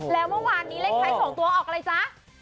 แล้วเมื่อวานนี้เลขท้าย๒ตัวออกอะไรจ๊ะ